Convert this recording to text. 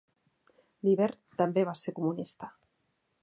L'hivern també va ser comunista.